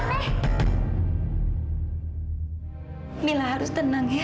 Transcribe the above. kamila harus tenang ya